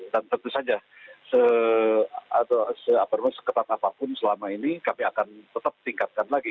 dan tentu saja seketat apapun selama ini kami akan tetap tingkatkan lagi